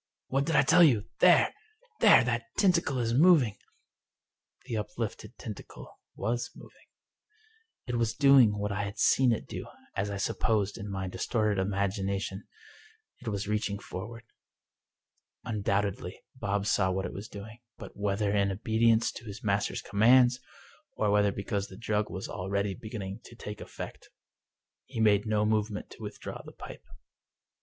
" What did I tell you? There— there I That tentacle is moving." The uplifted tentacle was moving. It was doing what I had seen it do, as I supposed, in my distorted imagination —it was reaching forward. Undoubtedly Bob saw what it was doing; but, whether in obedience to his master's com mands, or whether because the drug was already beginning to take effect, he made no movement to withdraw the pipe.